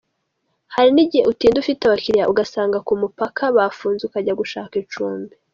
Hari n’igihe utinda ufite abakiriya ugasanga ku mupaka bafunze ukajya gushaka icumbi.